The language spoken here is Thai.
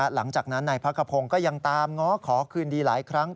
หลังจากนั้นนายพักขพงศ์ก็ยังตามง้อขอคืนดีหลายครั้ง